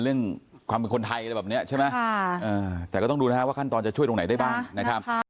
เรื่องความเป็นคนไทยอะไรแบบนี้ใช่ไหมแต่ก็ต้องดูนะครับว่าขั้นตอนจะช่วยตรงไหนได้บ้างนะครับ